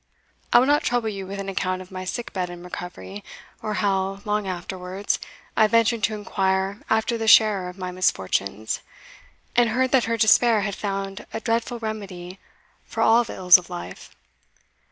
I will not trouble you with an account of my sick bed and recovery, or how, long afterwards, I ventured to inquire after the sharer of my misfortunes, and heard that her despair had found a dreadful remedy for all the ills of life.